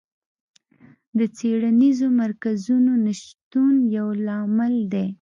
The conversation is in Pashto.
د څېړنیزو مرکزونو نشتون یو لامل دی.